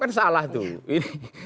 kan salah tuh